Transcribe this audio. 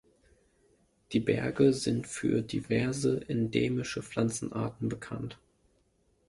Die Berge sind für diverse endemische Pflanzenarten bekannt.